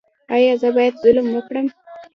ایا زه باید ظلم وکړم؟